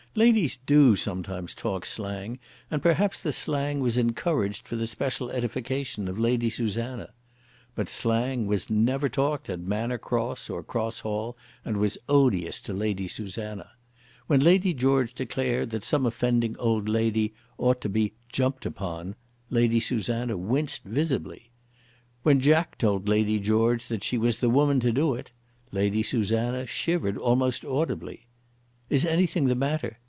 Ladies do sometimes talk slang, and perhaps the slang was encouraged for the special edification of Lady Susanna. But slang was never talked at Manor Cross or Cross Hall, and was odious to Lady Susanna. When Lady George declared that some offending old lady ought to be "jumped upon," Lady Susanna winced visibly. When Jack told Lady George that "she was the woman to do it," Lady Susanna shivered almost audibly. "Is anything the matter?"